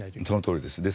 そのとおりです。